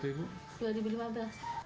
dari ibu berapa itu ibu